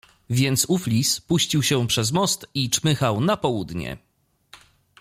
"Więc ów lis puścił się przez most i czmychał na południe."